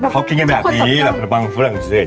เขากินแบบนี้แหละบางฝรั่งเศรษฐ์